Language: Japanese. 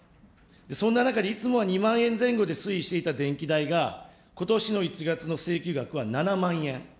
そんな中で、いつもは２万円前後で推移していた電気代が、ことしの１月の請求額は７万円。